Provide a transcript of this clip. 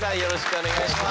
お願いします。